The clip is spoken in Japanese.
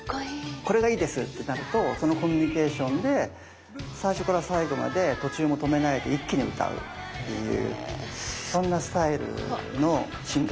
「これがいいです」ってなるとそのコミュニケーションで最初から最後まで途中も止めないで一気に歌うっていうそんなスタイルのシンガーでしたね。